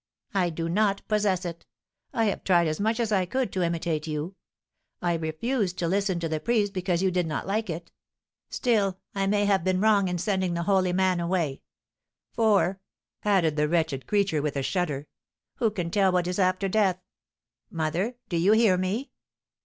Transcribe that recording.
I do not possess it. I have tried as much as I could to imitate you. I refused to listen to the priest because you did not like it. Still I may have been wrong in sending the holy man away; for," added the wretched creature, with a shudder, "who can tell what is after death? Mother, do you hear me?